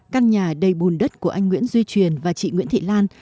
căn nhà đầy bùn đất của anh nguyễn duy truyền và chị nguyễn thị lan